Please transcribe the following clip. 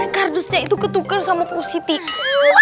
kardusnya itu ketukar sama positif